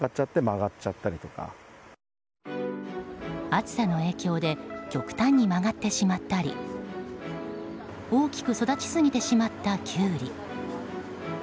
暑さの影響で極端に曲がってしまったり大きく育ちすぎてしまったキュウリ。